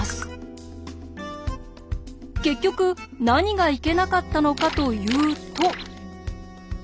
結局何がいけなかったのかというと。